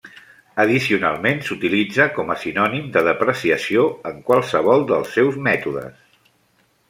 Addicionalment s'utilitza com a sinònim de depreciació en qualsevol dels seus mètodes.